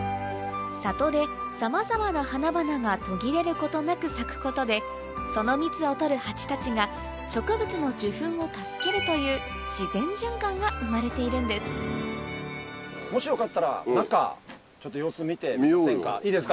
里でさまざまな花々が途切れることなく咲くことでその蜜を取るハチたちが植物の受粉を助けるという自然循環が生まれているんですいいですか？